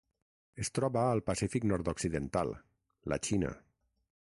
Es troba al Pacífic nord-occidental: la Xina.